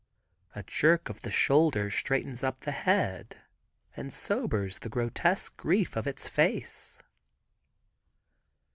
A jerk of the shoulder straightens up the head, and sobers the grotesque grief of its face.